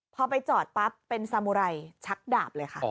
พอไปจอดปั๊บเป็นสามุไรชักดาบเลยค่ะ